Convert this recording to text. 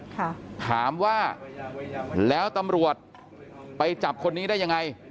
ถามว่าแล้วตำรวจไปจับคนนี้ได้ยังไง